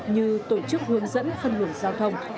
như tổ chức hướng dẫn phân luận giao thông